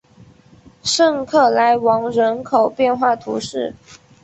圣克莱芒人口变化图示